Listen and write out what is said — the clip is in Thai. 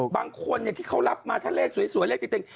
บางคนที่เขารับมาถ้าเลขสวยเลขติด